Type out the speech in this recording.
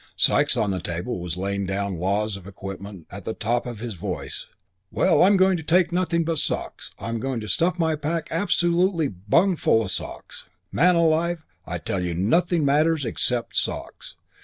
Sikes on the table was laying down laws of equipment at the top of his voice. "Well, I'm going to take nothing but socks. I'm going to stuff my pack absolutely bung full of socks. Man alive, I tell you nothing matters except socks.